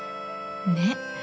ねっ。